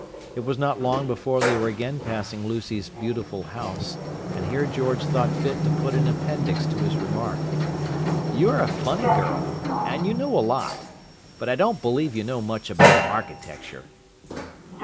It was not long before they were again passing Lucy's Beautiful House, and here George thought fit to put an appendix to his remark. "You're a funny girl, and you know a lot—but I don't believe you know much about architecture!"